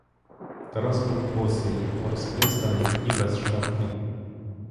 Тарас був босий, розхристаний і без шапки.